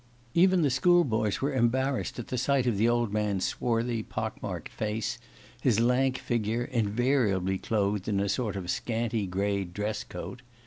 Even the schoolboys were embarrassed at the sight of the old man's swarthy, pockmarked face, his lank figure, invariably clothed in a sort of scanty grey dresscoat.